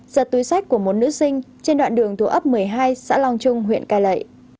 giật túi sách của một nữ sinh trên đoạn đường thuộc ấp một mươi hai xã long trung huyện cai lệ